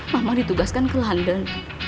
mama ditugaskan ke london